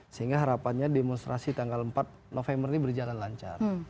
sehingga harapannya demonstrasi tanggal empat november ini berjalan lancar